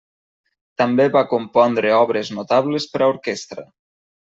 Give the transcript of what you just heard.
També va compondre obres notables per a orquestra.